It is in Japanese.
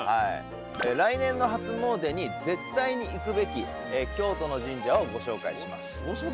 来年の初詣に絶対に行くべき京都の神社をご紹介します。